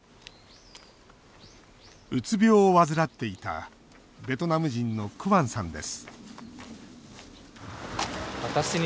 うつ病を患っていたベトナム人のクアンさんです